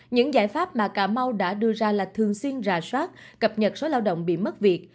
những giải pháp mà cà mau đã đưa ra là thường xuyên rà soát cập nhật số lao động bị mất việc